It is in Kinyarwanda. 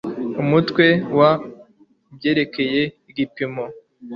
umutwe wa ibyerekeye igipimo